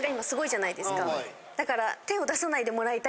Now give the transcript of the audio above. だから。